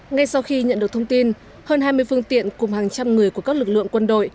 ngay sau khi nhận được thông tin hơn hai mươi phương tiện cùng hàng trăm người của các lực lượng quân đội